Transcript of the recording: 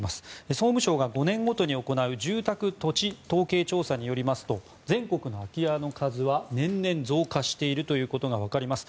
総務省が５年ごとに行う住宅・土地統計調査によりますと全国の空き家の数は年々増加していることが分かります。